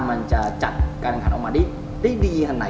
มันจะจัดการอังคารออกมาได้ดีอันไหน